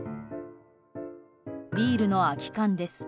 ビールの空き缶です。